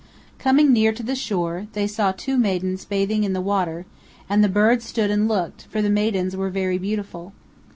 Coming near to the shore, they saw two maidens bathing in the water; and the birds stood and looked, for the maidens were very beautiful.